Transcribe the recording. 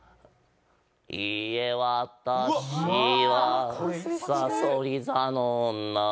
「いいえ私はさそり座の女」